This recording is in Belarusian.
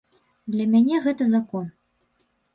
Для мяне гэта закон.